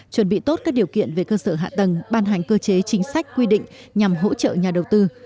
chuẩn bị tốt các điều kiện về cơ sở hạ tầng ban hành cơ chế chính sách quy định nhằm hỗ trợ nhà đầu tư